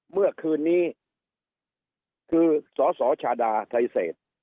เมื่อคืนนี้คือสสชาดาไทเศษ